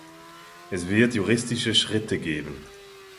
Es wird juristische Schritte geben.